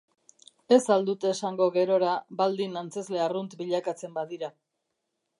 Ez al dute esango gerora, baldin antzezle arrunt bilakatzen badira.